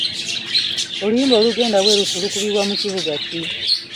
Oluyimba olugenda bwe lutyo lukubibwa mu kivuga ki?